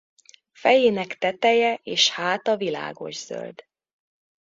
Fejének teteje és háta világos zöld.